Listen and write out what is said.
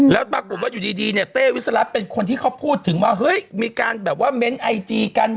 แล้วปรากฏว่าอยู่ดีเนี่ยเต้วิสรัฐเป็นคนที่เขาพูดถึงว่าเฮ้ยมีการแบบว่าเม้นต์ไอจีกัน